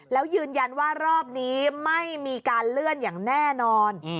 แล้วยืนยันว่ารอบนี้ไม่มีการเลื่อนอย่างแน่นอน